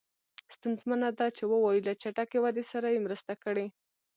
ستونزمنه ده چې ووایو له چټکې ودې سره یې مرسته کړې.